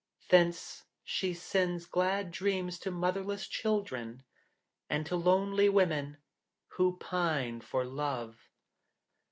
Thence she sends glad dreams to motherless children, and to lonely women who pine for love."